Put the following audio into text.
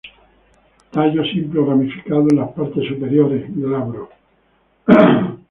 Tallo simple o ramificado en las partes superiores, glabro.